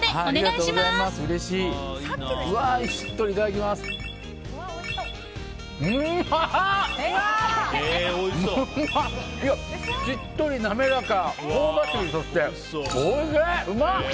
しっとり滑らか、香ばしい！